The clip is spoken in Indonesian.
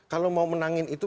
kalau mau menangin itu